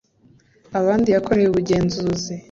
abandi yakoreye ubugenzuzi